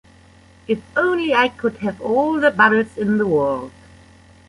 "If only I could have all the bubbles in the world".